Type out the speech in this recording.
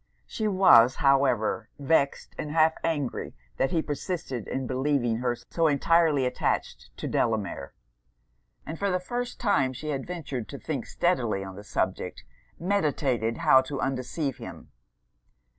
She was, however, vexed and half angry that he persisted in believing her so entirely attached to Delamere; and, for the first time she had ventured to think steadily on the subject, meditated how to undeceive him.